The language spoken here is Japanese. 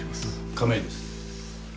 亀井です。